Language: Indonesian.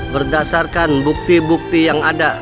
berdasarkan bukti bukti yang ada